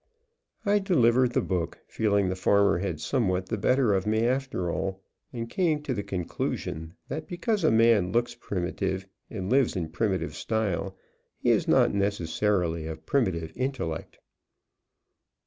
I delivered the book, feeling the farmer had somewhat the better of me after all, and came to the conclusion that because a man looks primitive, and lives in primitive style, he is not necessarily of primitive intellect.